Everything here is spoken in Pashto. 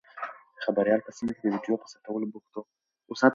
خبریال په سیمه کې د ویډیو په ثبتولو بوخت دی.